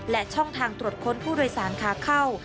และช่องทางตรวจค้นผู้โดยสารขาเข้า